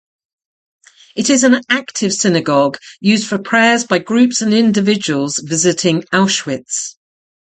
It is an active synagogue used for prayers by groups and individuals visiting Auschwitz.